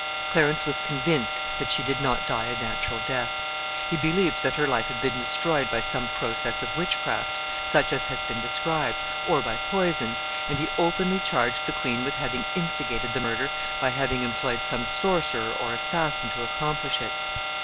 Clarence was convinced that she did not die a natural death. He believed that her life had been destroyed by some process of witchcraft, such as has been described, or by poison, and he openly charged the queen with having instigated the murder by having employed some sorcerer or assassin to accomplish it.